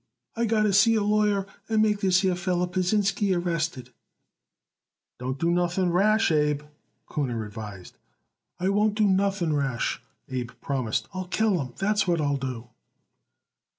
"I got to see a lawyer and make this here feller Pasinsky arrested." "Don't do nothing rash, Abe," Kuhner advised. "I won't do nothing rash," Abe promised. "I'll kill him, that's what I'll do."